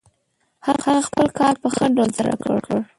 هغه خپل کار په ښه ډول ترسره کړ.